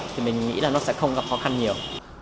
thì mình nghĩ là nó sẽ không gặp khó khăn nhiều